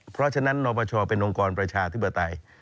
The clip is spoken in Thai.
เพราะฉะนั้นนปชเป็นองค์กรประชาธิปไตย